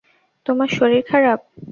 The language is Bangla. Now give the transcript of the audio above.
তোমার শরীর খারাপ?